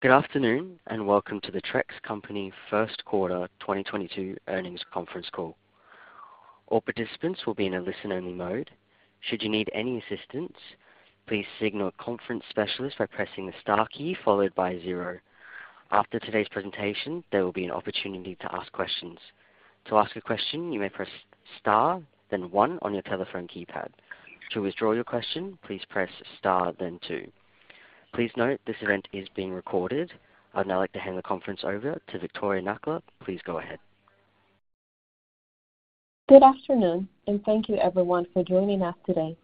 Good afternoon, and welcome to the Trex Company first quarter 2022 earnings conference call. All participants will be in a listen-only mode. Should you need any assistance, please signal a conference specialist by pressing the star key followed by zero. After today's presentation, there will be an opportunity to ask questions. To ask a question, you may press star, then one on your telephone keypad. To withdraw your question, please press star then two. Please note this event is being recorded. I'd now like to hand the conference over to Viktoriia Nakhla. Please go ahead. Good afternoon, and thank you everyone for joining us today.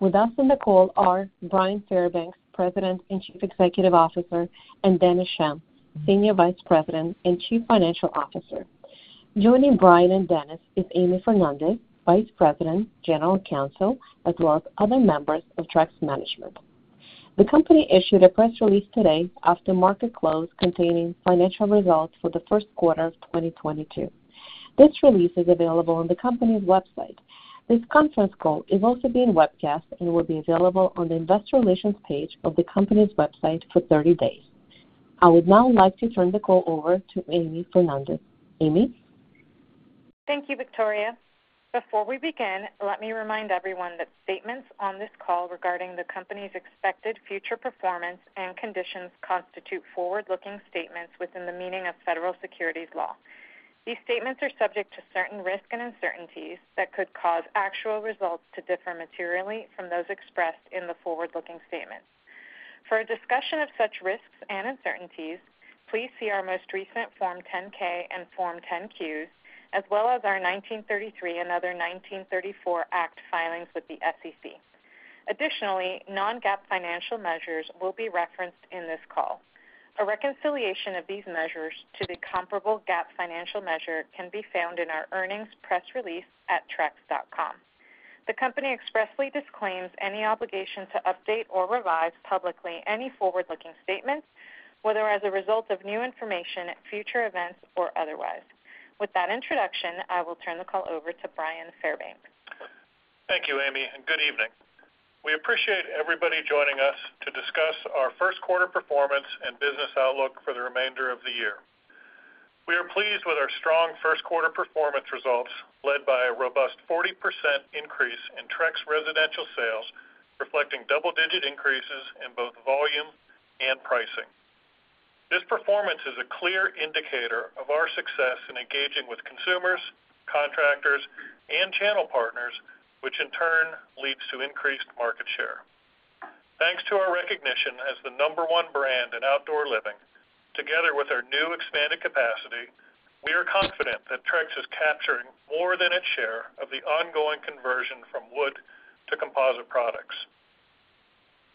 With us on the call are Bryan Fairbanks, President and Chief Executive Officer, and Dennis Schemm, Senior Vice President and Chief Financial Officer. Joining Bryan and Dennis is Amy Fernandez, Vice President, General Counsel, as well as other members of Trex management. The company issued a press release today after market close containing financial results for the first quarter of 2022. This release is available on the company's website. This conference call is also being webcasted and will be available on the investor relations page of the company's website for 30 days. I would now like to turn the call over to Amy Fernandez. Amy? Thank you, Victoria. Before we begin, let me remind everyone that statements on this call regarding the company's expected future performance and conditions constitute forward-looking statements within the meaning of federal securities laws. These statements are subject to certain risks and uncertainties that could cause actual results to differ materially from those expressed in the forward-looking statements. For a discussion of such risks and uncertainties, please see our most recent Form 10-K and Form 10-Qs, as well as our 1933 and other 1934 Act filings with the SEC. Additionally, non-GAAP financial measures will be referenced in this call. A reconciliation of these measures to the comparable GAAP financial measure can be found in our earnings press release at trex.com. The company expressly disclaims any obligation to update or revise publicly any forward-looking statements, whether as a result of new information, future events or otherwise. With that introduction, I will turn the call over to Bryan Fairbanks. Thank you, Amy, and good evening. We appreciate everybody joining us to discuss our first quarter performance and business outlook for the remainder of the year. We are pleased with our strong first quarter performance results, led by a robust 40% increase in Trex esidential sales, reflecting double-digit increases in both volume and pricing. This performance is a clear indicator of our success in engaging with consumers, contractors, and channel partners, which in turn leads to increased market share. Thanks to our recognition as the number one brand in outdoor living, together with our new expanded capacity, we are confident that Trex is capturing more than its share of the ongoing conversion from wood to composite products.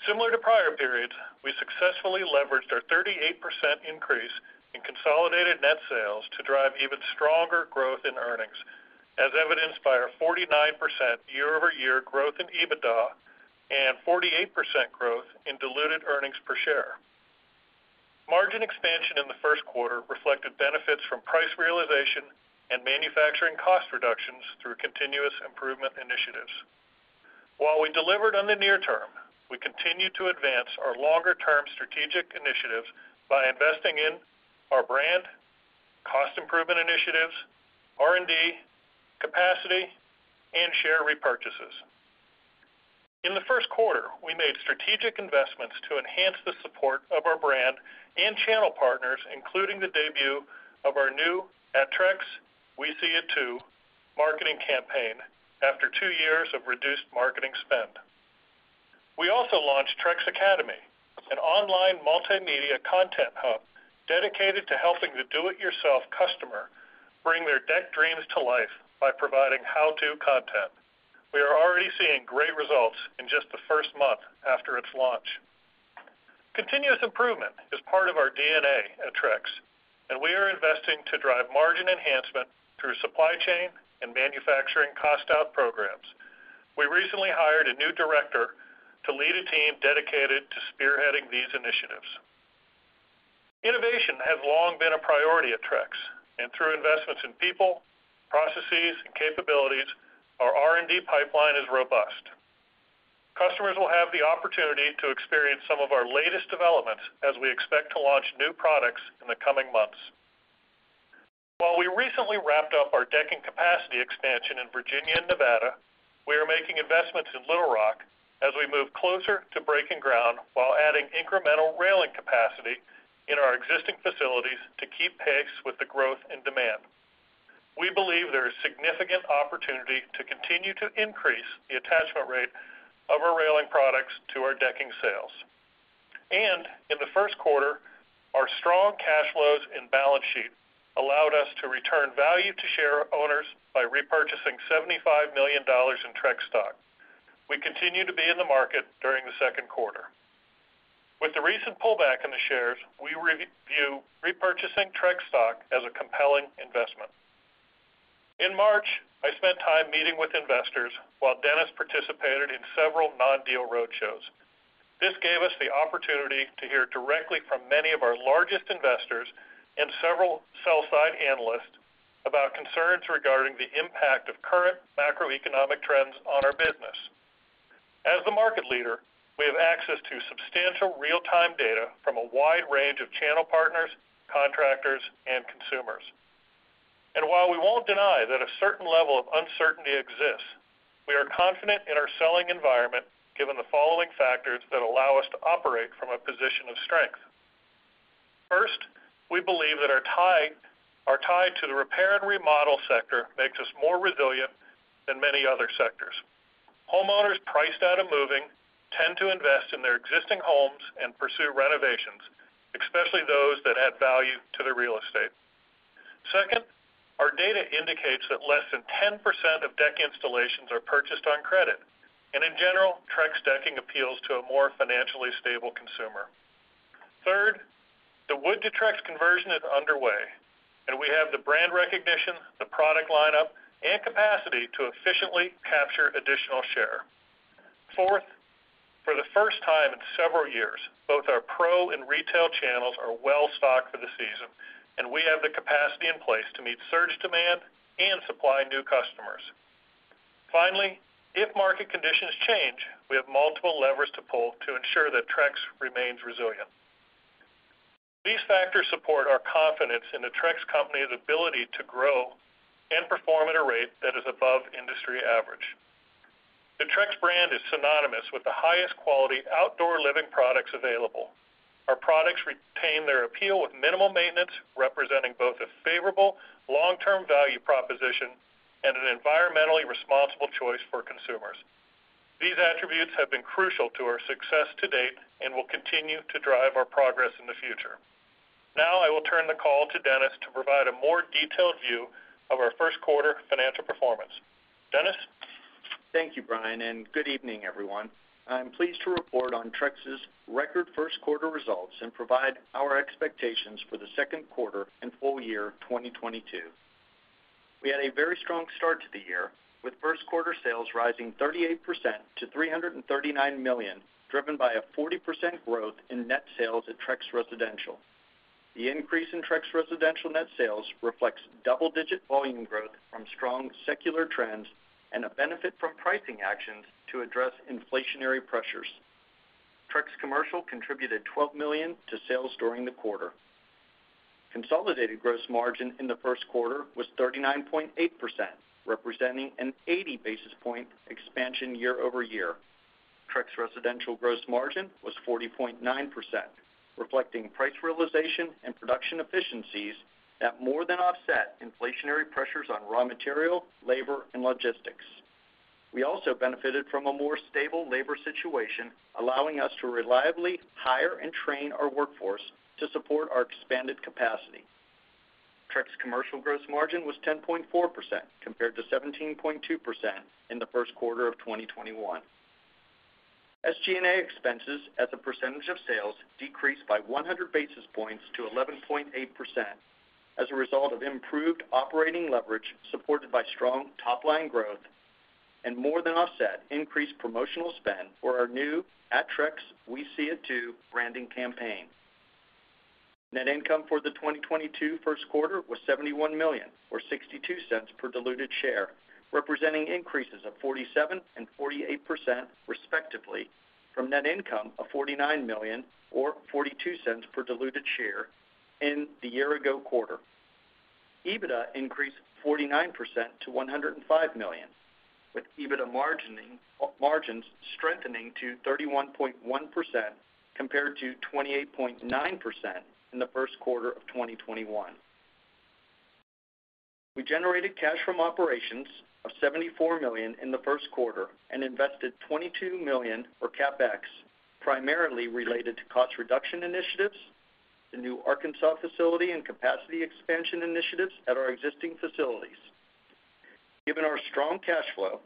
Similar to prior periods, we successfully leveraged our 38% increase in consolidated net sales to drive even stronger growth in earnings, as evidenced by our 49% year-over-year growth in EBITDA and 48% growth in diluted earnings per share. Margin expansion in the first quarter reflected benefits from price realization and manufacturing cost reductions through continuous improvement initiatives. While we delivered on the near-term, we continued to advance our longer-term strategic initiatives by investing in our brand, cost improvement initiatives, R&D, capacity, and share repurchases. In the first quarter, we made strategic investments to enhance the support of our brand and channel partners, including the debut of our new At Trex, We See It Too marketing campaign after two years of reduced marketing spend. We also launched Trex Academy, an online multimedia content hub dedicated to helping the do it yourself customer bring their deck dreams to life by providing how-to content. We are already seeing great results in just the first month after its launch. Continuous improvement is part of our DNA at Trex, and we are investing to drive margin enhancement through supply chain and manufacturing-cost-out programs. We recently hired a new director to lead a team dedicated to spearheading these initiatives. Innovation has long been a priority at Trex, and through investments in people, processes, and capabilities, our R&D pipeline is robust. Customers will have the opportunity to experience some of our latest developments as we expect to launch new products in the coming months. While we recently wrapped up our decking capacity expansion in Virginia and Nevada, we are making investments in Little Rock as we move closer to breaking ground while adding incremental railing capacity in our existing facilities to keep pace with the growth and demand. We believe there is significant opportunity to continue to increase the attachment rate of our railing products to our decking sales. In the first quarter, our strong cash flows and balance sheet allowed us to return value to share owners by repurchasing $75 million in Trex stock. We continue to be in the market during the second quarter. With the recent pullback in the shares, we view repurchasing Trex stock as a compelling investment. In March, I spent time meeting with investors while Dennis participated in several non-deal roadshows. This gave us the opportunity to hear directly from many of our largest investors and several sell-side analysts about concerns regarding the impact of current macroeconomic trends on our business. As the market leader, we have access to substantial real-time data from a wide range of channel partners, contractors, and consumers. While we won't deny that a certain level of uncertainty exists, we are confident in our selling environment given the following factors that allow us to operate from a position of strength. First, we believe that our tie to the repair and remodel sector makes us more resilient than many other sectors. Homeowners priced out of moving tend to invest in their existing homes and pursue renovations, especially those that add value to their real estate. Second, our data indicates that less than 10% of deck installations are purchased on credit. In general, Trex decking appeals to a more financially stable consumer. Third, the wood to Trex conversion is underway, and we have the brand recognition, the product lineup, and capacity to efficiently capture additional share. Fourth, for the first time in several years, both our pro and retail channels are well stocked for the season, and we have the capacity in place to meet surge demand and supply new customers. Finally, if market conditions change, we have multiple levers to pull to ensure that Trex remains resilient. These factors support our confidence in the Trex Company's ability to grow and perform at a rate that is above industry average. The Trex brand is synonymous with the highest quality outdoor living products available. Our products retain their appeal with minimal maintenance, representing both a favorable long-term value proposition and an environmentally responsible choice for consumers. These attributes have been crucial to our success to date and will continue to drive our progress in the future. Now, I will turn the call to Dennis to provide a more detailed view of our first quarter financial performance. Dennis? Thank you, Bryan, and good evening, everyone. I'm pleased to report on Trex's record first quarter results and provide our expectations for the second quarter and full year 2022. We had a very strong start to the year, with first quarter sales rising 38% to $339 million, driven by a 40% growth in net sales at Trex Residential. The increase in Trex Residential net sales reflects double-digit volume growth from strong secular trends and a benefit from pricing actions to address inflationary pressures. Trex Commercial contributed $12 million to sales during the quarter. Consolidated gross margin in the first quarter was 39.8%, representing an 80 basis point expansion year-over-year. Trex Residential gross margin was 40.9%, reflecting price realization and production efficiencies that more than offset inflationary pressures on raw material, labor, and logistics. We also benefited from a more stable labor situation, allowing us to reliably hire and train our workforce to support our expanded capacity. Trex Commercial gross margin was 10.4% compared to 17.2% in the first quarter of 2021. SG&A expenses as a percentage of sales decreased by 100 basis points to 11.8% as a result of improved operating leverage supported by strong top-line growth and more than offset increased promotional spend for our new We See It Too branding campaign. Net income for the 2022 first quarter was $71 million or $0.62 per diluted share, representing increases of 47% and 48%, respectively, from net income of $49 million or $0.42 per diluted share in the year-ago quarter. EBITDA increased 49% to $105 million, with EBITDA margins strengthening to 31.1% compared to 28.9% in the first quarter of 2021. We generated cash from operations of $74 million in the first quarter and invested $22 million for CapEx, primarily related to cost reduction initiatives, the new Arkansas facility and capacity expansion initiatives at our existing facilities. Given our strong cash flow,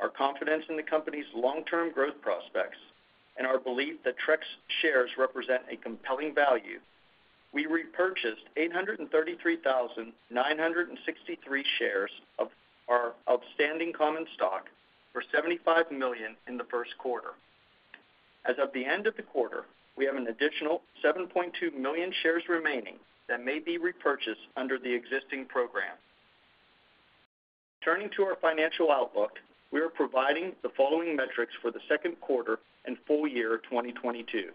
our confidence in the company's long-term growth prospects, and our belief that Trex shares represent a compelling value, we repurchased 833,963 shares of our outstanding common stock for $75 million in the first quarter. As of the end of the quarter, we have an additional 7.2 million shares remaining that may be repurchased under the existing program. Turning to our financial outlook, we are providing the following metrics for the second quarter and full year of 2022.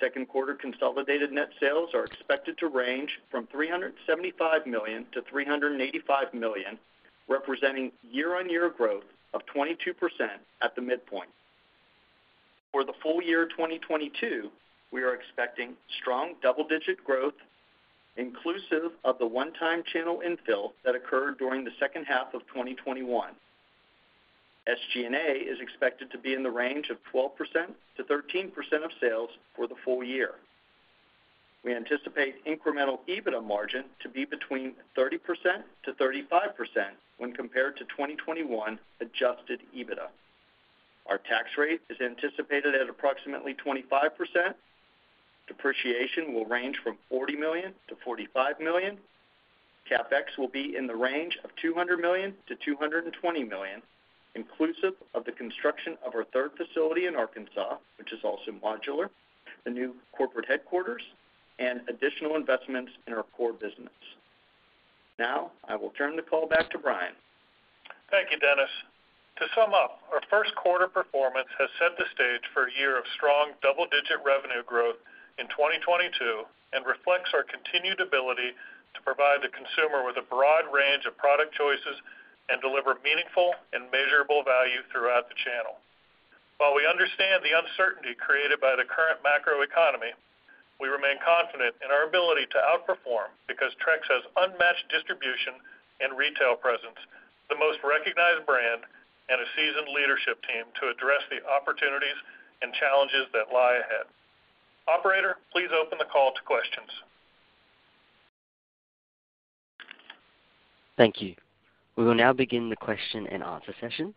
Second quarter consolidated net sales are expected to range from $375 million-$385 million, representing year-on-year growth of 22% at the midpoint. For the full year 2022, we are expecting strong double-digit growth inclusive of the one-time channel infill that occurred during the second half of 2021. SG&A is expected to be in the range of 12%-13% of sales for the full year. We anticipate incremental EBITDA margin to be between 30%-35% when compared to 2021 adjusted EBITDA. Our tax rate is anticipated at approximately 25%. Depreciation will range from $40 million-$45 million. CapEx will be in the range of $200 million-$220 million, inclusive of the construction of our third facility in Arkansas, which is also modular, the new corporate headquarters, and additional investments in our core business. Now I will turn the call back to Bryan. Thank you, Dennis. To sum up, our first quarter performance has set the stage for a year of strong double-digit revenue growth in 2022, and reflects our continued ability to provide the consumer with a broad range of product choices and deliver meaningful and measurable value throughout the channel. While we understand the uncertainty created by the current macroeconomy, we remain confident in our ability to outperform because Trex has unmatched distribution and retail presence, the most recognized brand and a seasoned leadership team to address the opportunities and challenges that lie ahead. Operator, please open the call to questions. Thank you. We will now begin the question-and-answer session.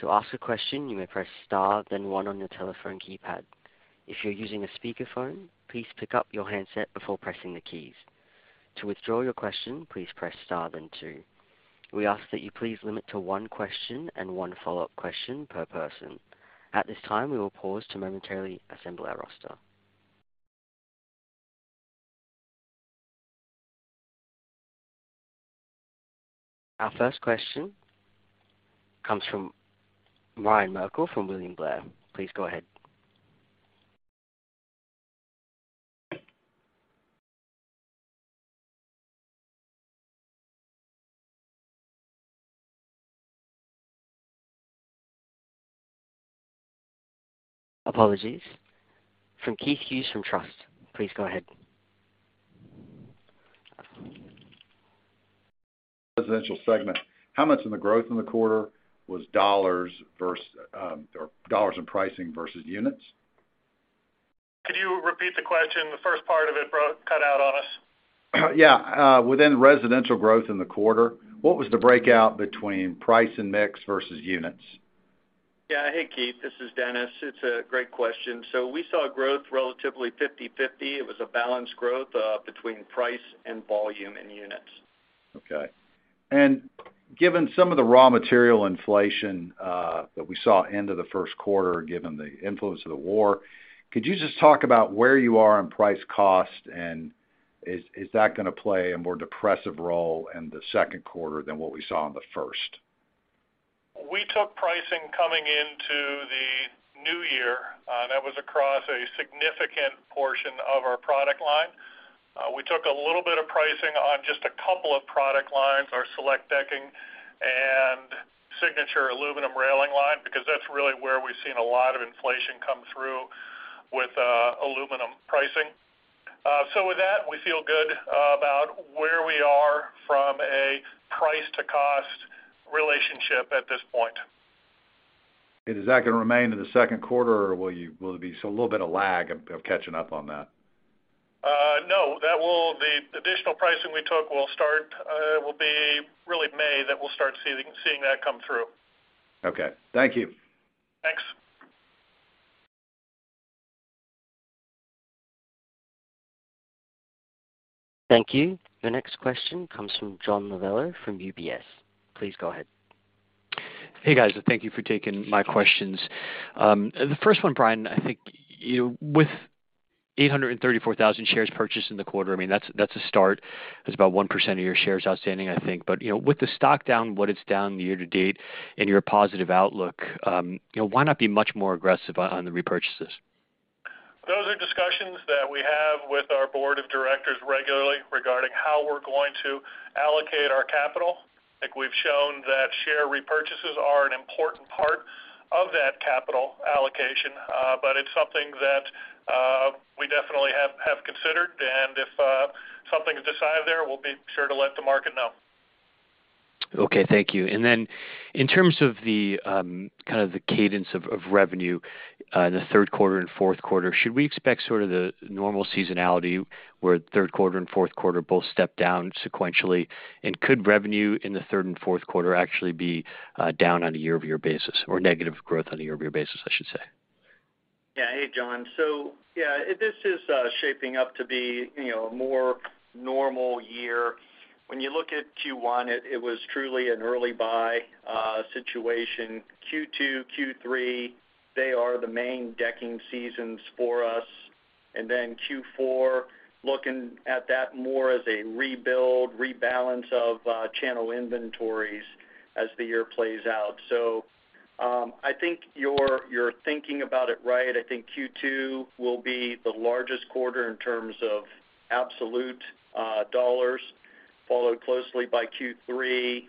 To ask a question, you may press star, then one on your telephone keypad. If you're using a speakerphone, please pick up your handset before pressing the keys. To withdraw your question, please press star then two. We ask that you please limit to one question and one follow-up question per person. At this time, we will pause to momentarily assemble our roster. Our first question comes from Ryan Merkel from William Blair. Please go ahead. Apologies. From Keith Hughes from Truist. Please go ahead. Residential segment. How much of the growth in the quarter was dollars, or dollars from pricing versus units? Could you repeat the question? The first part of it cut out on us. Yeah. Within residential growth in the quarter, what was the breakout between price and mix versus units? Yeah. Hey, Keith, this is Dennis. It's a great question. We saw growth relatively 50/50. It was a balanced growth between price and volume in units. Okay. Given some of the raw material inflation that we saw end of the first quarter, given the influence of the war, could you just talk about where you are on price cost? Is that gonna play a more depressive role in the second quarter than what we saw in the first? We took pricing coming into the new year, that was across a significant portion of our product line. We took a little bit of pricing on just a couple of product lines, our Trex Select Decking and Trex Signature Railing line, because that's really where we've seen a lot of inflation come through with, aluminum pricing. With that, we feel good, about where we are from a price to cost relationship at this point. Is that gonna remain in the second quarter, or will there be a little bit of lag of catching up on that? No, the additional pricing we took will be early May that we'll start seeing that come through. Okay. Thank you. Thanks. Thank you. Your next question comes from John Lovallo from UBS. Please go ahead. Hey, guys. Thank you for taking my questions. The first one, Bryan, I think, you know, with 834,000 shares purchased in the quarter, I mean, that's a start. That's about 1% of your shares outstanding, I think. You know, with the stock down what it's down year-to-date and your positive outlook, you know, why not be much more aggressive on the repurchases? Those are discussions that we have with our board of directors regularly regarding how we're going to allocate our capital. I think we've shown that share repurchases are an important part of that capital allocation, but it's something that, we definitely have considered. If something is decided there, we'll be sure to let the market know. Okay. Thank you. In terms of the kind of the cadence of revenue in the third quarter and fourth quarter, should we expect sort of the normal seasonality where third quarter and fourth quarter both step down sequentially? Could revenue in the third and fourth quarter actually be down on a year-over-year basis or negative growth on a year-over-year basis, I should say? Yeah. Hey, John. Yeah, this is shaping up to be, you know, a more normal year. When you look at Q1, it was truly an early buy situation. Q2, Q3, they are the main decking seasons for us. Q4, looking at that more as a rebuild, rebalance of channel inventories as the year plays out. I think you're thinking about it right. I think Q2 will be the largest quarter in terms of absolute dollars, followed closely by Q3.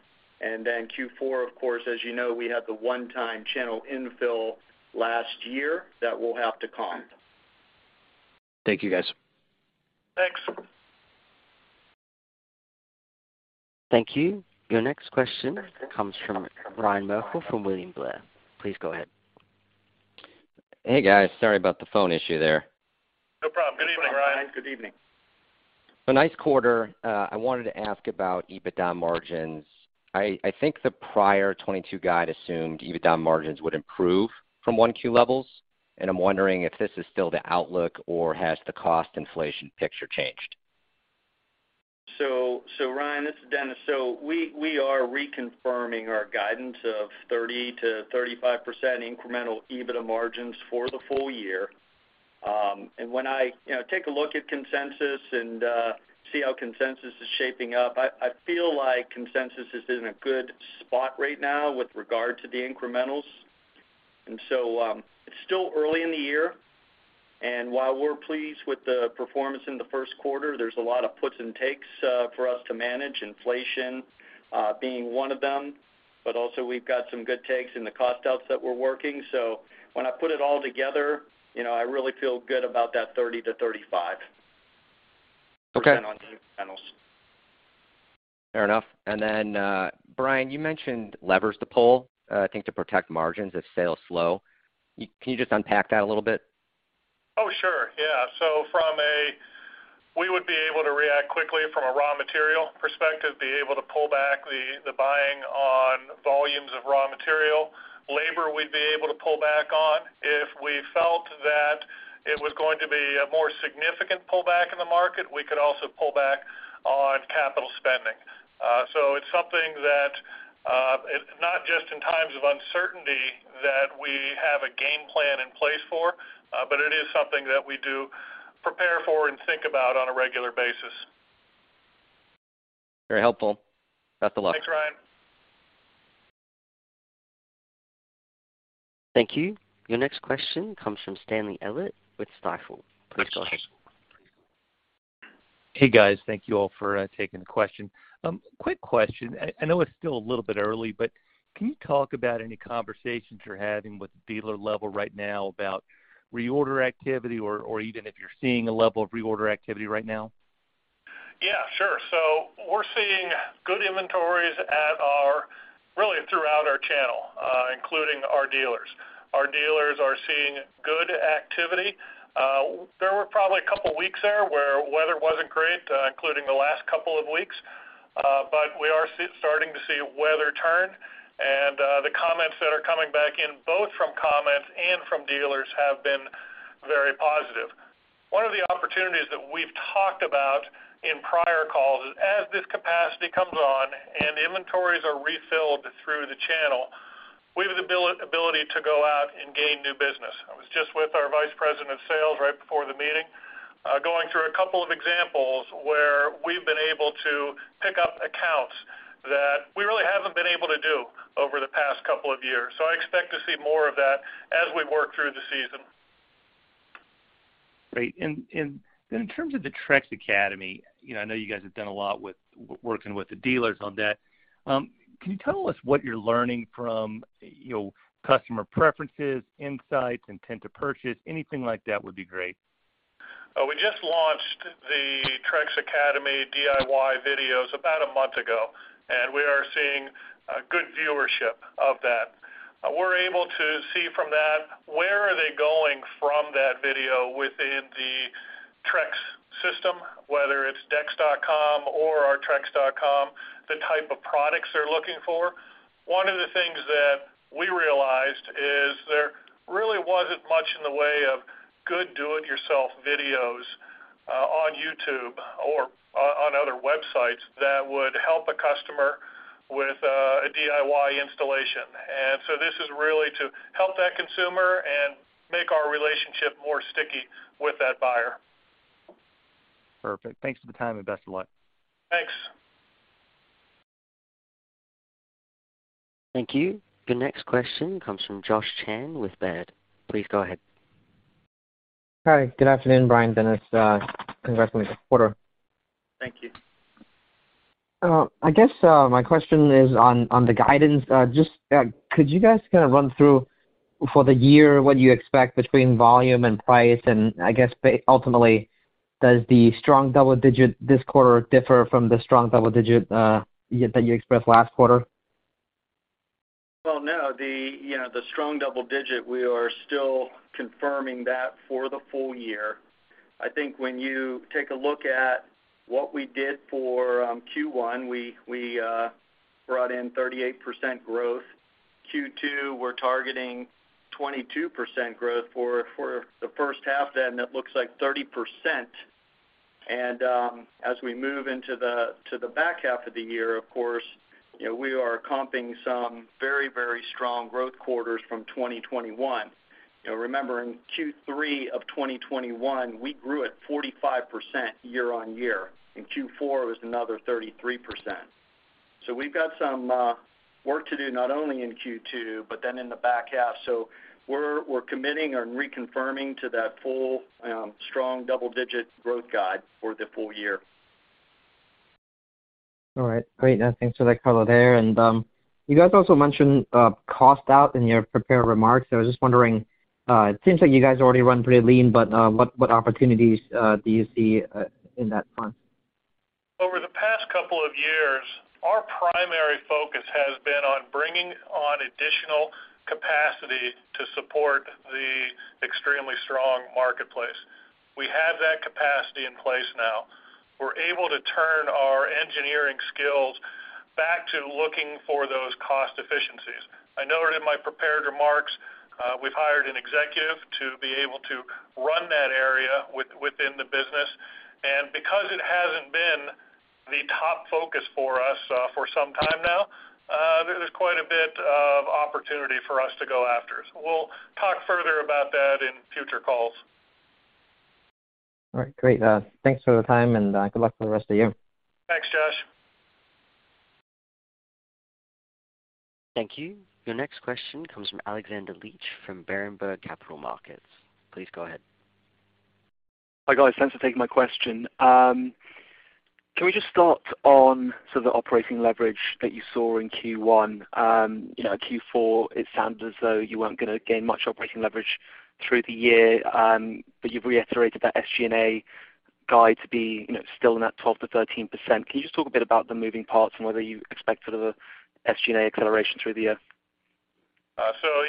Q4, of course, as you know, we had the one-time channel infill last year that we'll have to comp. Thank you, guys. Thanks. Thank you. Your next question comes from Ryan Merkel from William Blair. Please go ahead. Hey, guys. Sorry about the phone issue there. No problem. Good evening, Ryan. Good evening, Ryan. Good evening. Nice quarter. I wanted to ask about EBITDA margins. I think the prior 2022 guide assumed EBITDA margins would improve from 1Q levels, and I'm wondering if this is still the outlook or has the cost inflation picture changed? Ryan, this is Dennis. We are reconfirming our guidance of 30%-35% incremental EBITDA margins for the full year, and when I, you know, take a look at consensus and see how consensus is shaping up, I feel like consensus is in a good spot right now with regard to the incrementals. It's still early in the year. While we're pleased with the performance in the first quarter, there's a lot of puts and takes for us to manage, inflation being one of them. Also we've got some good takes in the cost outs that we're working. When I put it all together, you know, I really feel good about that 30%-35%. Okay on incrementals. Fair enough. Bryan, you mentioned levers to pull, I think to protect margins if sales slow. Can you just unpack that a little bit? Oh, sure. Yeah. From a raw material perspective, we would be able to react quickly, be able to pull back the buying on volumes of raw material. Labor, we'd be able to pull back on. If we felt that it was going to be a more significant pullback in the market, we could also pull back on capital spending. It's something that, not just in times of uncertainty that we have a game plan in place for, but it is something that we do prepare for and think about on a regular basis. Very helpful. Best of luck. Thanks, Ryan. Thank you. Your next question comes from Stanley Elliott with Stifel. Please go ahead. Hey, guys. Thank you all for taking the question. Quick question. I know it's still a little bit early, but can you talk about any conversations you're having with dealer level right now about reorder activity or even if you're seeing a level of reorder activity right now? Yeah, sure. We're seeing good inventories at our really throughout our channel, including our dealers. Our dealers are seeing good activity. There were probably a couple weeks there where weather wasn't great, including the last couple of weeks, but we are starting to see weather turn. The comments that are coming back in, both from comments and from dealers, have been very positive. One of the opportunities that we've talked about in prior calls is as this capacity comes on and inventories are refilled through the channel, we have the ability to go out and gain new business. I was just with our Vice President of sales right before the meeting, going through a couple of examples where we've been able to pick up accounts that we really haven't been able to do over the past couple of years. I expect to see more of that as we work through the season. Great. In terms of the Trex Academy, you know, I know you guys have done a lot with working with the dealers on that. Can you tell us what you're learning from, you know, customer preferences, insights, intent to purchase? Anything like that would be great. We just launched the Trex Academy DIY videos about a month ago, and we are seeing good viewership of that. We're able to see from that where they are going from that video within the Trex system, whether it's decks.com or our trex.com, the type of products they're looking for. One of the things that we realized is there really wasn't much in the way of good do-it-yourself videos on YouTube or on other websites that would help a customer with a DIY installation. This is really to help that consumer and make our relationship more sticky with that buyer. Perfect. Thanks for the time, and best of luck. Thanks. Thank you. Your next question comes from Josh Chan with Baird. Please go ahead. Hi. Good afternoon, Bryan, Dennis. Congratulations on the quarter. Thank you. I guess, my question is on the guidance. Just, could you guys kind of run through for the year what you expect between volume and price? I guess ultimately, does the strong double-digit this quarter differ from the strong double-digit that you expressed last quarter? No. You know, the strong double-digit, we are still confirming that for the full year. I think when you take a look at what we did for Q1, we brought in 38% growth. Q2, we're targeting 22% growth for the first half. Then it looks like 30%. As we move into the back half of the year, of course, you know, we are comping some very strong growth quarters from 2021. You know, remember in Q3 of 2021, we grew at 45% year-on-year, and Q4 was another 33%. We've got some work to do, not only in Q2, but then in the back half. We're committing and reconfirming to that full strong double-digit growth guide for the full year. All right. Great. Thanks for that color there. You guys also mentioned cost out in your prepared remarks. I was just wondering, it seems like you guys already run pretty lean, but what opportunities do you see in that front? Over the past couple of years, our primary focus has been on bringing on additional capacity to support the extremely strong marketplace. We have that capacity in place now. We're able to turn our engineering skills back to looking for those cost efficiencies. I noted in my prepared remarks, we've hired an executive to be able to run that area within the business. And because it hasn't been the top focus for us, for some time now. There's quite a bit of opportunity for us to go after. We'll talk further about that in future calls. All right, great. Thanks for the time and good luck for the rest of you. Thanks, Josh. Thank you. Your next question comes from Alexander Leach from Berenberg Capital Markets. Please go ahead. Hi, guys. Thanks for taking my question. Can we just start on the operating leverage that you saw in Q1? You know, Q4, it sounds as though you weren't gonna gain much operating leverage through the year, but you've reiterated that SG&A guide to be, you know, still in that 12%-13%. Can you just talk a bit about the moving parts and whether you expect sort of a SG&A acceleration through the year? The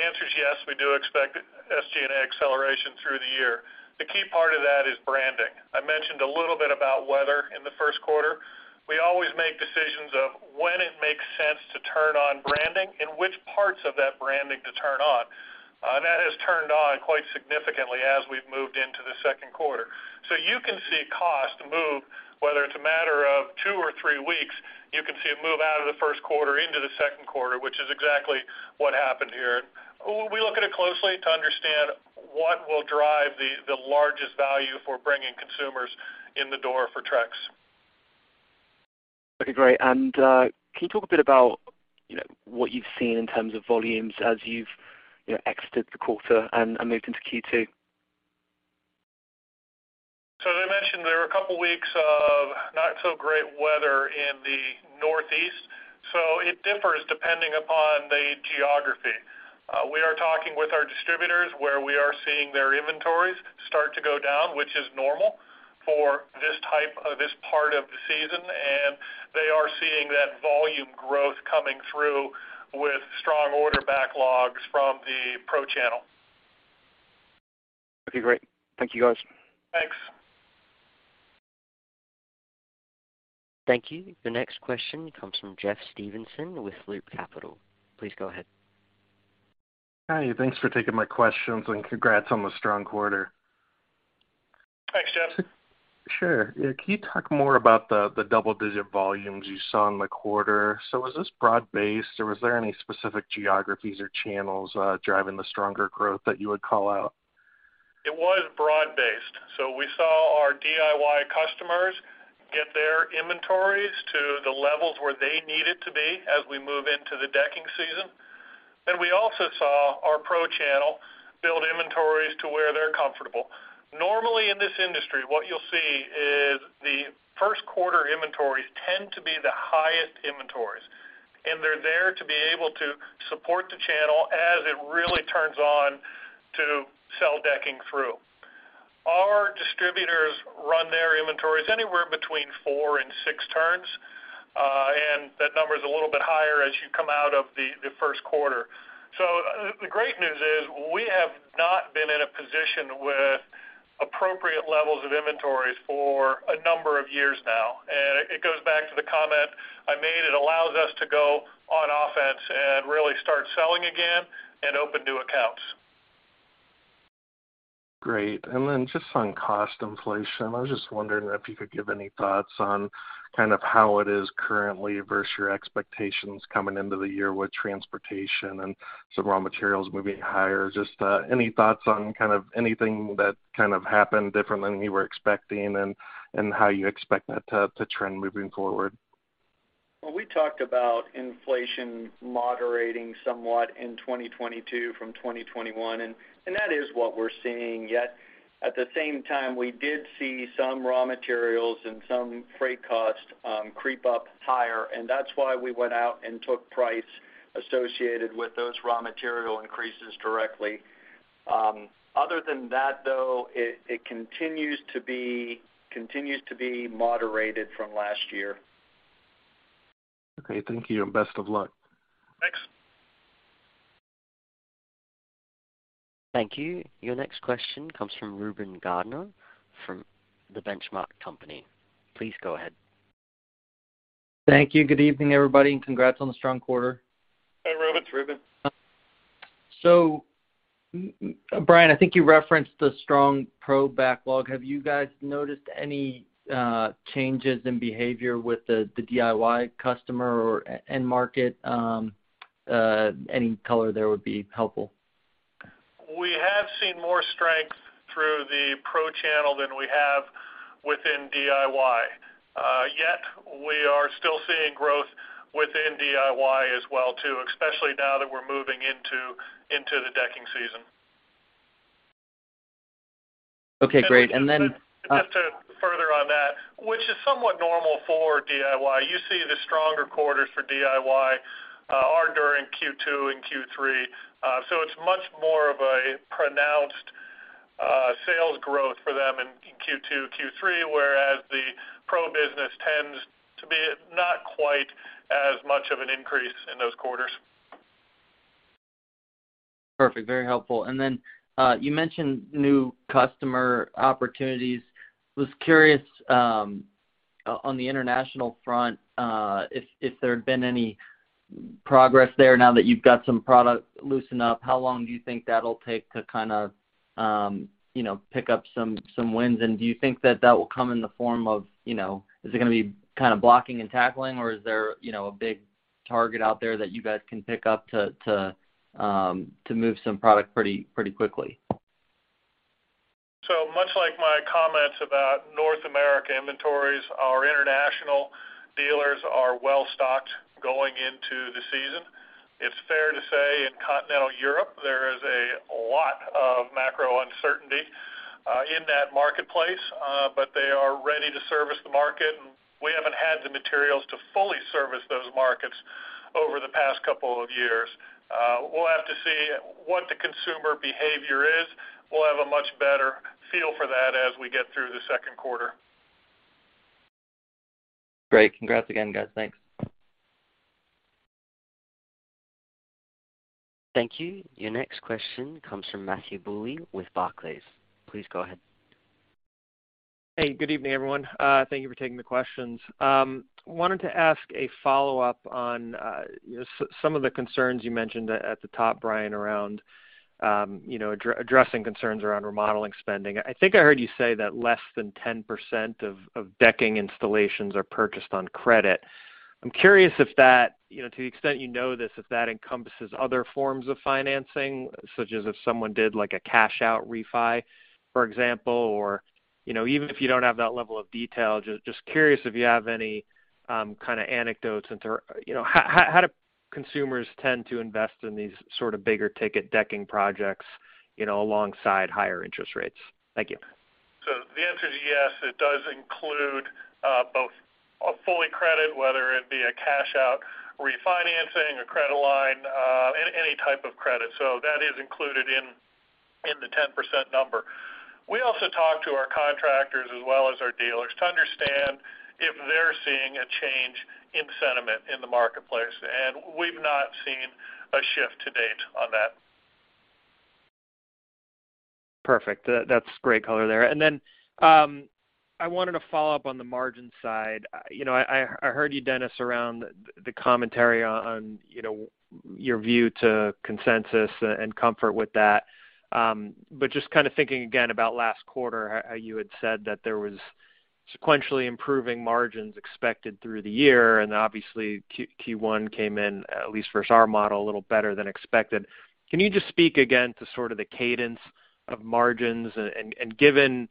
answer is yes, we do expect SG&A acceleration through the year. The key part of that is branding. I mentioned a little bit about weather in the first quarter. We always make decisions of when it makes sense to turn on branding and which parts of that branding to turn on. That has turned on quite significantly as we've moved into the second quarter. You can see cost move, whether it's a matter of two or three weeks, you can see it move out of the first quarter into the second quarter, which is exactly what happened here. We look at it closely to understand what will drive the largest value for bringing consumers in the door for Trex. Okay, great. Can you talk a bit about, you know, what you've seen in terms of volumes as you've, you know, exited the quarter and moved into Q2? As I mentioned, there were a couple weeks of not so great weather in the Northeast, so it differs depending upon the geography. We are talking with our distributors, where we are seeing their inventories start to go down, which is normal for this type of part of the season. They are seeing that volume growth coming through with strong order backlogs from the pro channel. Okay, great. Thank you, guys. Thanks. Thank you. The next question comes from Jeffrey Stevenson with Loop Capital. Please go ahead. Hi. Thanks for taking my questions, and congrats on the strong quarter. Thanks, Jeff. Sure. Can you talk more about the double-digit volumes you saw in the quarter? Was this broad-based, or was there any specific geographies or channels driving the stronger growth that you would call out? It was broad-based. We saw our DIY customers get their inventories to the levels where they needed to be as we move into the decking season. We also saw our pro channel build inventories to where they're comfortable. Normally, in this industry, what you'll see is the first quarter inventories tend to be the highest inventories, and they're there to be able to support the channel as it really turns on to sell decking through. Our distributors run their inventories anywhere between four and six turns, and that number is a little bit higher as you come out of the first quarter. The great news is we have not been in a position with appropriate levels of inventories for a number of years now. It goes back to the comment I made. It allows us to go on offense and really start selling again and open new accounts. Great. Then just on cost inflation, I was just wondering if you could give any thoughts on kind of how it is currently versus your expectations coming into the year with transportation and some raw materials moving higher. Just, any thoughts on kind of anything that kind of happened different than you were expecting and how you expect that to trend moving forward? Well, we talked about inflation moderating somewhat in 2022 from 2021, and that is what we're seeing. Yet at the same time, we did see some raw materials and some freight costs creep up higher, and that's why we went out and took price associated with those raw material increases directly. Other than that, though, it continues to be moderated from last year. Okay. Thank you and best of luck. Thanks. Thank you. Your next question comes from Reuben Garner from The Benchmark Company. Please go ahead. Thank you. Good evening, everybody, and congrats on the strong quarter. Hey, Reuben. It's Reuben. Bryan, I think you referenced the strong pro backlog. Have you guys noticed any changes in behavior with the DIY customer or end market? Any color there would be helpful. We have seen more strength through the pro channel than we have within DIY. Yet we are still seeing growth within DIY as well too, especially now that we're moving into the decking season. Okay, great. Further on that, which is somewhat normal for DIY. You see the stronger quarters for DIY are during Q2 and Q3. It's much more of a pronounced sales growth for them in Q2, Q3, whereas the pro business tends to be not quite as much of an increase in those quarters. Perfect. Very helpful. You mentioned new customer opportunities. Was curious, on the international front, if there had been any progress there now that you've got some product loosened up, how long do you think that'll take to kind of, you know, pick up some wins? Do you think that will come in the form of, you know, is it gonna be kind of blocking and tackling, or is there, you know, a big target out there that you guys can pick up to move some product pretty quickly? Much like my comments about North America inventories, our international dealers are well-stocked going into the season. It's fair to say in continental Europe, there is a lot of macro uncertainty, in that marketplace, but they are ready to service the market, and we haven't had the materials to fully service those markets over the past couple of years. We'll have to see what the consumer behavior is. We'll have a much better feel for that as we get through the second quarter. Great. Congrats again, guys. Thanks. Thank you. Your next question comes from Matthew Bouley with Barclays. Please go ahead. Hey, good evening, everyone. Thank you for taking the questions. Wanted to ask a follow-up on some of the concerns you mentioned at the top, Bryan, around you know addressing concerns around remodeling spending. I think I heard you say that less than 10% of decking installations are purchased on credit. I'm curious if that you know to the extent you know this if that encompasses other forms of financing, such as if someone did like a cash out refi, for example, or you know even if you don't have that level of detail, just curious if you have any kind of anecdotes into you know how do consumers tend to invest in these sort of bigger-ticket decking projects alongside higher interest rates? Thank you. The answer is yes. It does include both full credit, whether it be a cash out refinancing, a credit line, any type of credit. That is included in the 10% number. We also talk to our contractors as well as our dealers to understand if they're seeing a change in sentiment in the marketplace, and we've not seen a shift to date on that. Perfect. That's great color there. I wanted to follow up on the margin side. You know, I heard you, Dennis, around the commentary on you know, your view to consensus and comfort with that. Just kind of thinking again about last quarter, how you had said that there was sequentially improving margins expected through the year, and obviously Q1 came in, at least for our model, a little better than expected. Can you just speak again to sort of the cadence of margins? Given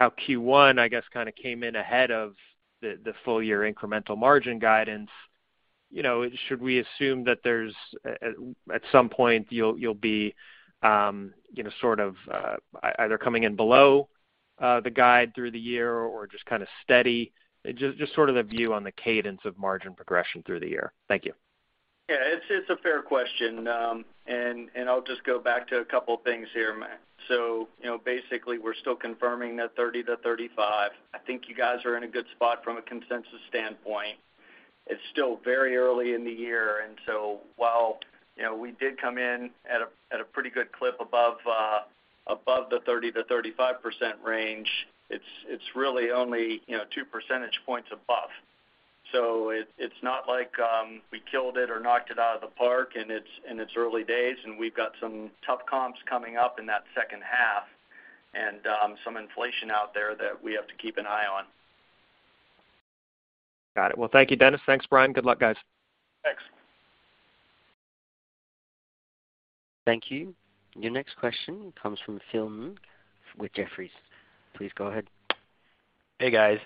how Q1, I guess, kind of came in ahead of the full year incremental margin guidance, you know, should we assume that there's at some point you'll be you know, sort of either coming in below the guide through the year or just kind of steady? Just sort of the view on the cadence of margin progression through the year. Thank you. Yeah, it's a fair question. I'll just go back to a couple things here. You know, basically, we're still confirming that 30%-35%. I think you guys are in a good spot from a consensus standpoint. It's still very early in the year, and so while, you know, we did come in at a pretty good clip above the 30%-35% range, it's really only, you know, two percentage points above. It's not like we killed it or knocked it out of the park, and it's in its early days, and we've got some tough comps coming up in that second half and some inflation out there that we have to keep an eye on. Got it. Well, thank you, Dennis. Thanks, Bryan. Good luck, guys. Thanks. Thank you. Your next question comes from Phil Ng with Jefferies. Please go ahead. Hey, guys.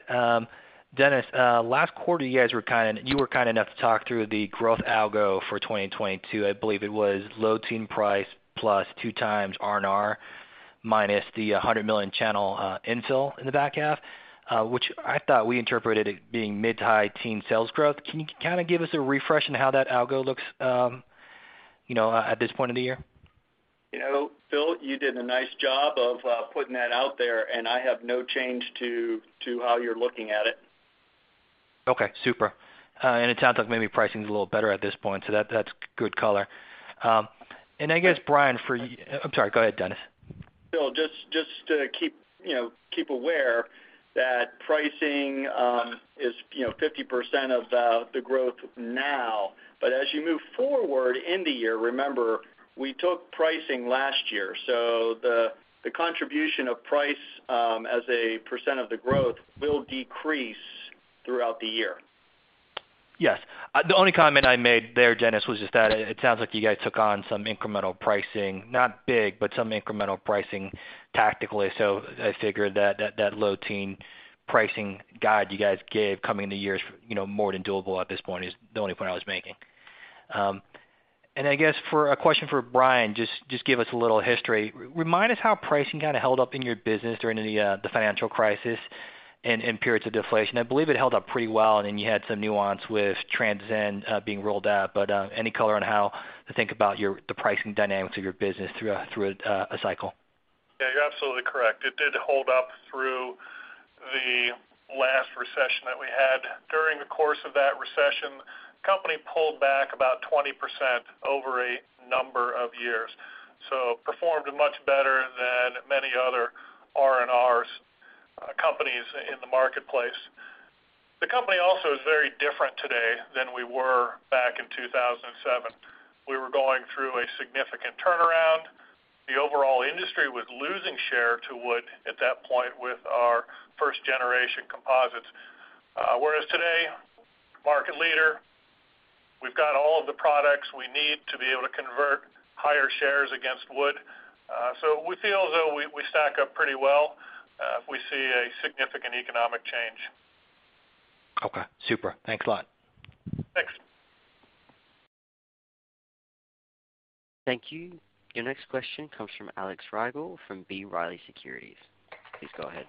Dennis, last quarter, you were kind enough to talk through the growth algo for 2022. I believe it was low-teens price plus 2x R&R minus the $100 million channel infill in the back half, which I thought we interpreted it being mid-to-high-teens sales growth. Can you kind of give us a refresh on how that algo looks, you know, at this point of the year? You know, Phil, you did a nice job of putting that out there, and I have no change to how you're looking at it. Okay, super. It sounds like maybe pricing's a little better at this point, so that's good color. I guess, Bryan... I'm sorry. Go ahead, Dennis. Phil, just to keep you know aware that pricing is you know 50% of the growth now. As you move forward in the year, remember, we took pricing last year, so the contribution of price as a percent of the growth will decrease throughout the year. Yes. The only comment I made there, Dennis, was just that it sounds like you guys took on some incremental pricing, not big, but some incremental pricing tactically. I figured that low-teen pricing guide you guys gave coming into this year, you know, more than doable at this point is the only point I was making. I guess a question for Bryan, just give us a little history. Remind us how pricing kind of held up in your business during the financial crisis and in periods of deflation. I believe it held up pretty well, and then you had some nuance with Transcend being rolled out. Any color on how to think about the pricing dynamics of your business through a cycle? Yeah, you're absolutely correct. It did hold up through the last recession that we had. During the course of that recession, company pulled back about 20% over a number of years. Performed much better than many other R&Rs companies in the marketplace. The company also is very different today than we were back in 2007. We were going through a significant turnaround. The overall industry was losing share to wood at that point with our first-generation composites. Whereas today, market leader. We've got all of the products we need to be able to convert higher shares against wood. So we feel as though we stack up pretty well if we see a significant economic change. Okay, super. Thanks a lot. Thanks. Thank you. Your next question comes from Alex Rygiel from B. Riley Securities. Please go ahead.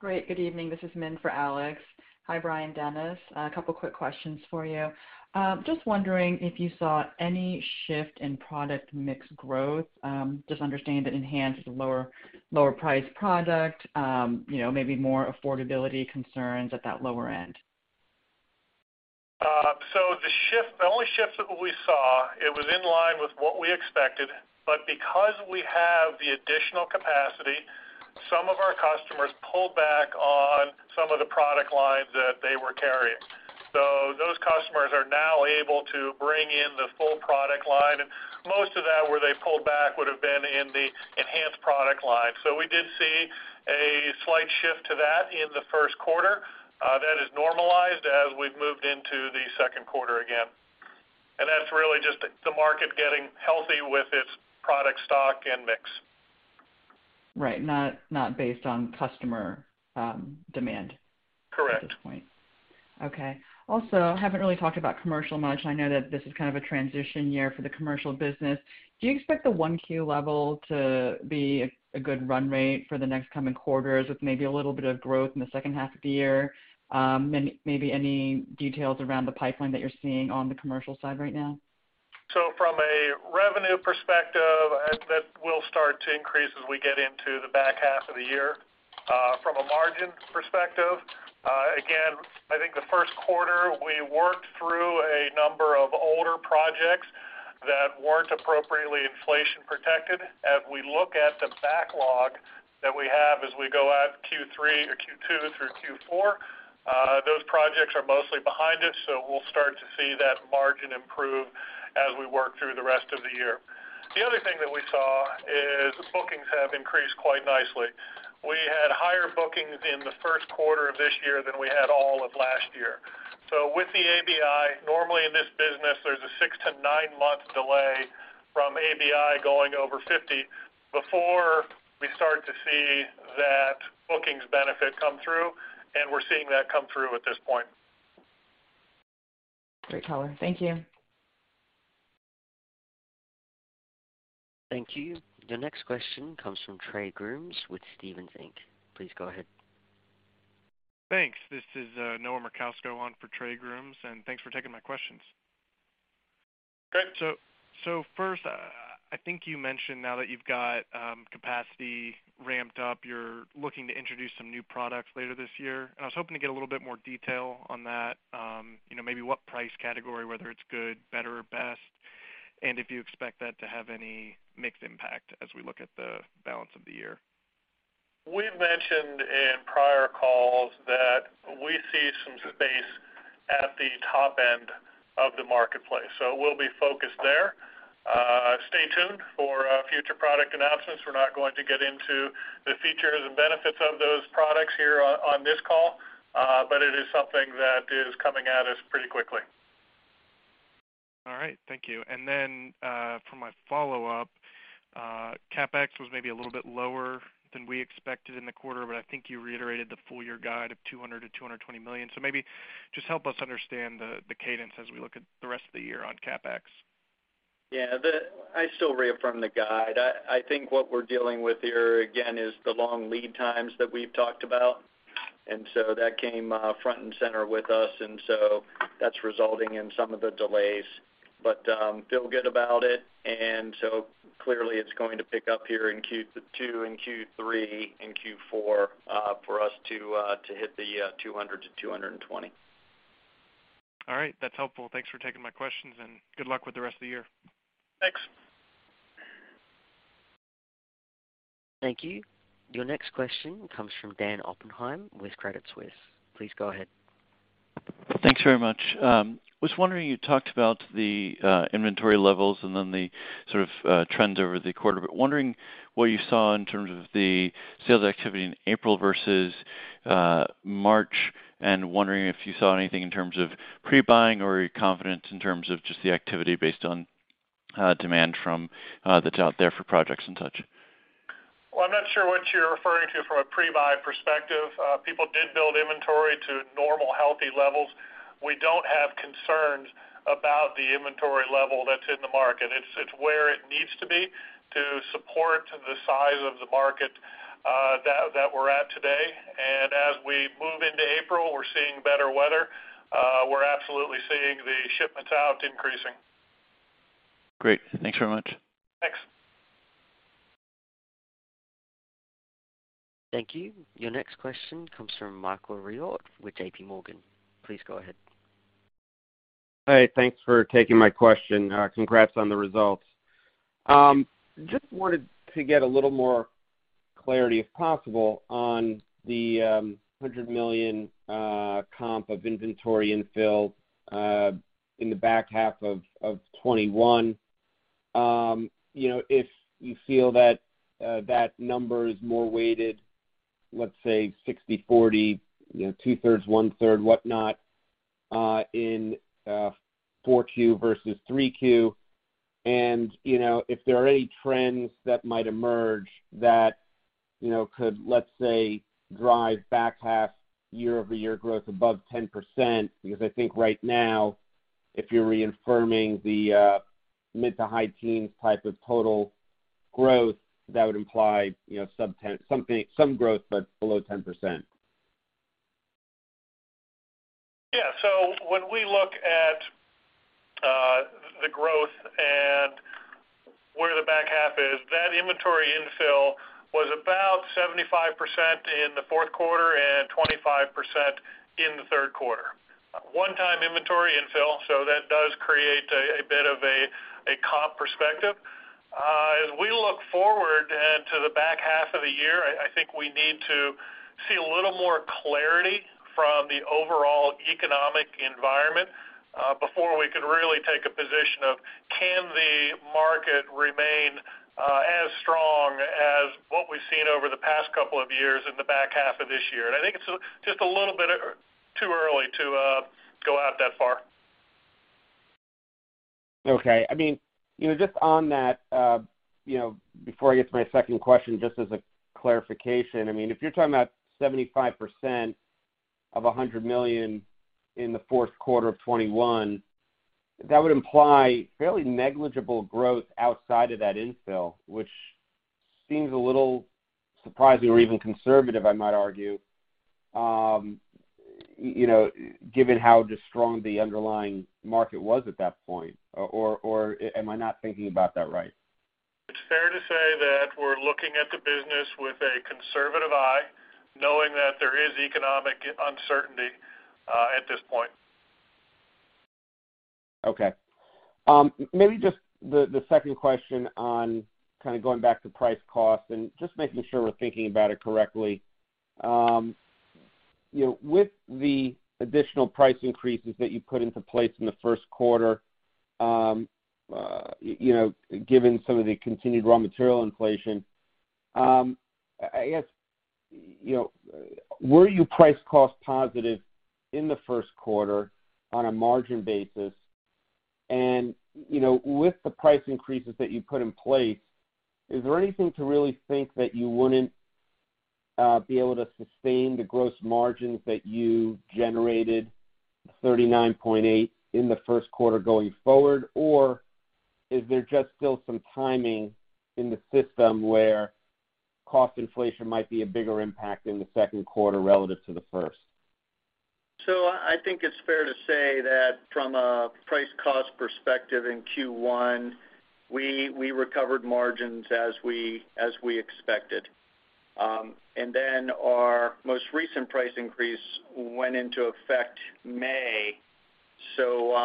Great. Good evening. This is Min for Alex. Hi, Bryan, Dennis. A couple of quick questions for you. Just wondering if you saw any shift in product mix growth. Just to understand that Enhance is a lower-priced product, you know, maybe more affordability concerns at that lower end. The shift, the only shift that we saw, it was in line with what we expected. Because we have the additional capacity, some of our customers pulled back on some of the product lines that they were carrying. Those customers are now able to bring in the full product line. Most of that, where they pulled back would have been in the Enhance product line. We did see a slight shift to that in the first quarter. That is normalized as we've moved into the second quarter again. That's really just the market getting healthy with its product stock and mix. Right. Not based on customer demand. Correct at this point. Okay. Also, haven't really talked about commercial much. I know that this is kind of a transition year for the commercial business. Do you expect the 1Q level to be a good run rate for the next coming quarters with maybe a little bit of growth in the second half of the year? Maybe any details around the pipeline that you're seeing on the commercial side right now? From a revenue perspective, I think that will start to increase as we get into the back half of the year. From a margin perspective, again, I think in the first quarter we worked through a number of older projects that weren't appropriately inflation-protected. As we look at the backlog that we have as we go from Q2 through Q4, those projects are mostly behind us, so we'll start to see that margin improve as we work through the rest of the year. The other thing that we saw is bookings have increased quite nicely. We had higher bookings in the first quarter of this year than we had all of last year. With the ABI, normally in this business, there's a six- to nine-month delay from ABI going over 50 before we start to see that bookings benefit come through, and we're seeing that come through at this point. Great color. Thank you. Thank you. Your next question comes from Trey Grooms with Stephens Inc. Please go ahead. Thanks. This is, Noah Merkousko on for Trey Grooms, and thanks for taking my questions. Great. First, I think you mentioned now that you've got capacity ramped up, you're looking to introduce some new products later this year. I was hoping to get a little bit more detail on that, you know, maybe what price category, whether it's good, better, or best, and if you expect that to have any mix impact as we look at the balance of the year. We've mentioned in prior calls that we see some space at the top end of the marketplace, so we'll be focused there. Stay tuned for future product announcements. We're not going to get into the features and benefits of those products here on this call, but it is something that is coming at us pretty quickly. All right, thank you. For my follow-up, CapEx was maybe a little bit lower than we expected in the quarter, but I think you reiterated the full year guide of $200 million-$220 million. Maybe just help us understand the cadence as we look at the rest of the year on CapEx. Yeah. I still reaffirm the guide. I think what we're dealing with here again is the long lead times that we've talked about. That came front and center with us, and that's resulting in some of the delays. I feel good about it. Clearly it's going to pick up here in Q2 and Q3 and Q4 for us to hit the $200 million-$220 million. All right. That's helpful. Thanks for taking my questions, and good luck with the rest of the year. Thanks. Thank you. Your next question comes from Dan Oppenheim with Credit Suisse. Please go ahead. Thanks very much. Was wondering, you talked about the inventory levels and then the sort of trends over the quarter. Wondering what you saw in terms of the sales activity in April versus March, and wondering if you saw anything in terms of pre-buying or your confidence in terms of just the activity based on demand from that's out there for projects and such. Well, I'm not sure what you're referring to from a pre-buy perspective. People did build inventory to normal, healthy levels. We don't have concerns about the inventory level that's in the market. It's where it needs to be to support the size of the market that we're at today. As we move into April, we're seeing better weather. We're absolutely seeing the shipments out increasing. Great. Thanks very much. Thanks. Thank you. Your next question comes from Michael Rehaut with JPMorgan. Please go ahead. Hey, thanks for taking my question. Congrats on the results. Just wanted to get a little more clarity, if possible, on the $100 million comp of inventory infill in the back half of 2021. You know, if you feel that that number is more weighted, let's say 60/40, you know, 2/3, 1/3, whatnot in 4Q versus 3Q. You know, if there are any trends that might emerge that, you know, could, let's say, drive back half year-over-year growth above 10% because I think right now, if you're reaffirming the mid-to-high teens type of total growth, that would imply, you know, sub-10% growth, but below 10%. Yeah. When we look at the growth and where the back half is, that inventory infill was about 75% in the fourth quarter and 25% in the third quarter. One-time inventory infill, so that does create a bit of a comp perspective. As we look forward and to the back half of the year, I think we need to see a little more clarity from the overall economic environment before we could really take a position of can the market remain as strong as what we've seen over the past couple of years in the back half of this year. I think it's just a little bit too early to go out that far. Okay. I mean, you know, just on that, you know, before I get to my second question, just as a clarification. I mean, if you're talking about 75% of $100 million in the fourth quarter of 2021, that would imply fairly negligible growth outside of that infill, which seems a little surprising or even conservative, I might argue, you know, given how just strong the underlying market was at that point. Or am I not thinking about that right? It's fair to say that we're looking at the business with a conservative eye, knowing that there is economic uncertainty, at this point. Okay. Maybe just the second question on kind of going back to price cost and just making sure we're thinking about it correctly. You know, with the additional price increases that you put into place in the first quarter, you know, given some of the continued raw material inflation, I guess, you know, were you price cost positive in the first quarter on a margin basis? And, you know, with the price increases that you put in place, is there anything to really think that you wouldn't be able to sustain the gross margins that you generated, 39.8% in the first quarter going forward? Or is there just still some timing in the system where cost inflation might be a bigger impact in the second quarter relative to the first? I think it's fair to say that from a price cost perspective in Q1, we recovered margins as we expected. Then our most recent price increase went into effect May. You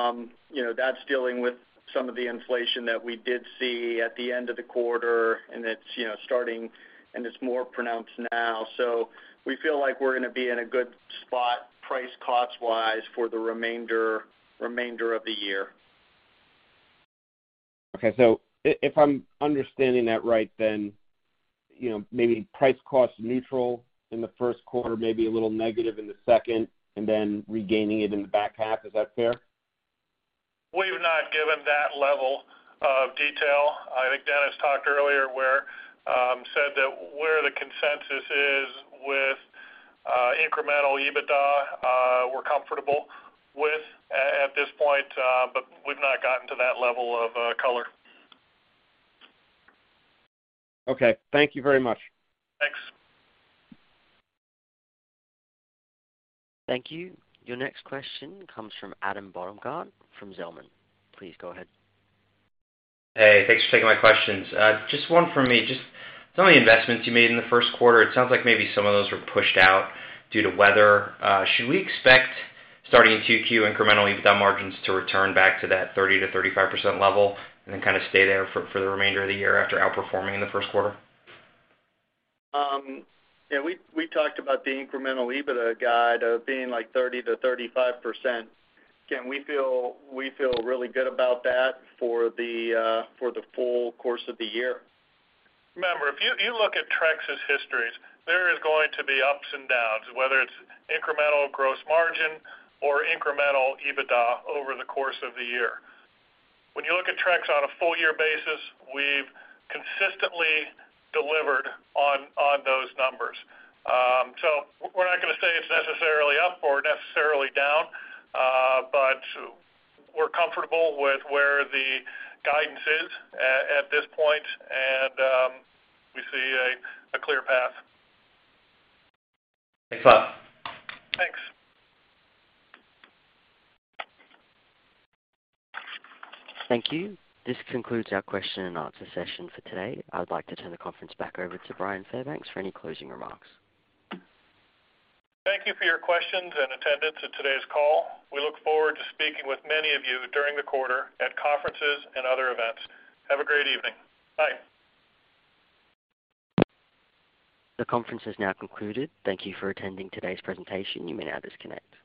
know, that's dealing with some of the inflation that we did see at the end of the quarter, and you know, it's starting and it's more pronounced now. We feel like we're gonna be in a good spot price cost-wise for the remainder of the year. Okay. If I'm understanding that right, then, you know, maybe price cost neutral in the first quarter, maybe a little negative in the second, and then regaining it in the back half. Is that fair? We've not given that level of detail. I think Dennis talked earlier where said that where the consensus is with incremental EBITDA, we're comfortable with at this point, but we've not gotten to that level of color. Okay. Thank you very much. Thanks. Thank you. Your next question comes from Adam Baumgarten from Zelman. Please go ahead. Hey, thanks for taking my questions. Just one for me. Just some of the investments you made in the first quarter, it sounds like maybe some of those were pushed out due to weather. Should we expect starting in 2Q incremental EBITDA margins to return back to that 30%-35% level and then kind of stay there for the remainder of the year after outperforming in the first quarter? Yeah, we talked about the incremental EBITDA guide of being like 30%-35%. Again, we feel really good about that for the full course of the year. Remember, if you look at Trex's history, there is going to be ups and downs, whether it's incremental gross margin or incremental EBITDA over the course of the year. When you look at Trex on a full-year basis, we've consistently delivered on those numbers. We're not gonna say it's necessarily up or necessarily down, but we're comfortable with where the guidance is at this point, and we see a clear path. Thanks a lot. Thanks. Thank you. This concludes our question and answer session for today. I'd like to turn the conference back over to Bryan Fairbanks for any closing remarks. Thank you for your questions and attendance at today's call. We look forward to speaking with many of you during the quarter at conferences and other events. Have a great evening. Bye. The conference has now concluded. Thank you for attending today's presentation. You may now disconnect.